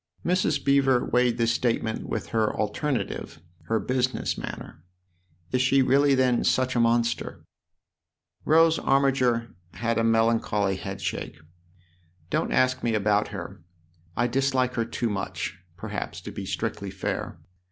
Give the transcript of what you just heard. Mrs. Beever weighed this statement with her alternative, her business manner. " Is she really then such a monster ?" Rose Armiger had a melancholy headshake. " Don't ask me about her I dislike her too much, perhaps, to be strictly fair.